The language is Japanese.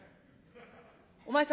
「お前さん